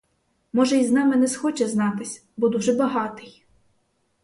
Може й з нами не схоче знатись, бо дуже багатий.